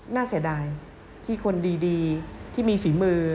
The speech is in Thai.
น่าเสียดายที่คนดีที่มีฝีมือ